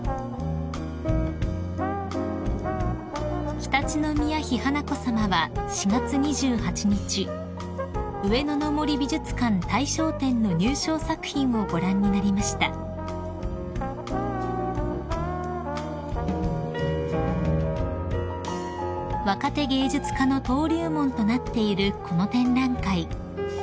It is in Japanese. ［常陸宮妃華子さまは４月２８日上野の森美術館大賞展の入賞作品をご覧になりました］［若手芸術家の登竜門となっているこの展覧会］